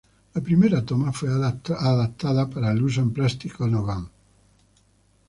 La primera toma fue adaptado para el uso en Plastic Ono Band.